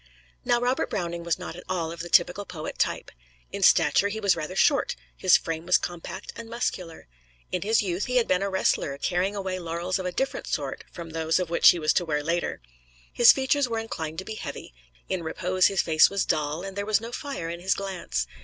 Now Robert Browning was not at all of the typical poet type. In stature, he was rather short; his frame was compact and muscular. In his youth, he had been a wrestler carrying away laurels of a different sort from those which he was to wear later. His features were inclined to be heavy; in repose his face was dull, and there was no fire in his glance.